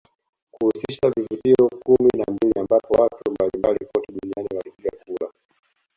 Kuhusisha vivutio kumi na mbili ambapo watu mbalimbali kote duniani walipiga kura